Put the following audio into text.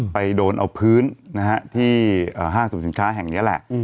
ไปโดนเอาพื้นที่ห้างสรรพสินค้าแห่งนี้แหละ